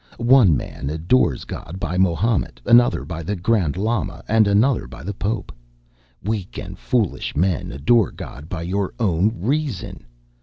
One man adores God by Mahomet, another by the Grand Lama, and another by the Pope. Weak and foolish men! adore God by your own reason....